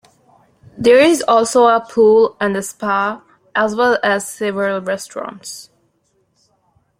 There is also a pool and spa, as well as several restaurants.